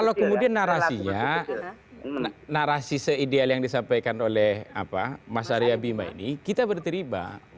kalau kemudian narasinya narasi se ideal yang disampaikan oleh mas arya bima ini kita berterima